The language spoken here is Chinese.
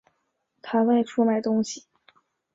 他外出买东西